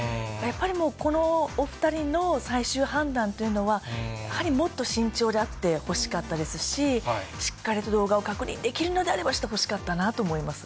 このお２人の最終判断というのは、やはりもっと慎重であってほしかったですし、しっかりと動画を確認できるのであれば、してほしかったなと思います。